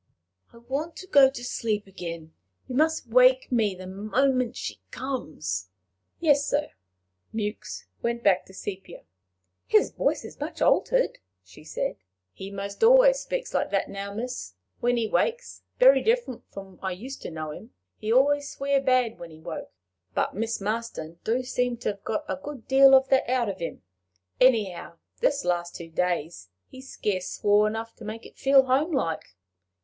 "I want to go to sleep again. You must wake me the moment she comes." "Yes, sir." Mewks went back to Sepia. "His voice is much altered," she said. "He most always speaks like that now, miss, when he wakes very different from I used to know him! He'd always swear bad when he woke; but Miss Marston do seem t' 'ave got a good deal of that out of him. Anyhow, this last two days he's scarce swore enough to make it feel home like."